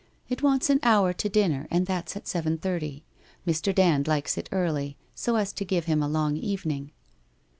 It wants an hour to dinner and that's at seven thirty. Mr. Dand likes it early, so as to give him a long evening.'